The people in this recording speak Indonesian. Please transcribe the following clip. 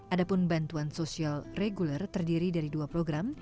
adapun bantuan sosial reguler terdiri dari dua program